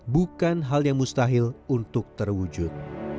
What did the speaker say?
bukan hal yang mustahil untuk terwujud